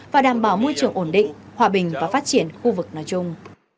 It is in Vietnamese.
và đảm bảo môi trường ổn định hòa bình và phát triển khu vực nói chung